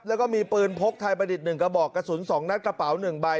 แล้วก็มีปืนพกไทยประดิษฐ์๑กระบอกกระสุน๒นัดกระเป๋า๑ใบ